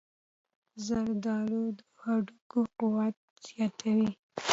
زردآلو د هډوکو قوت زیاتوي.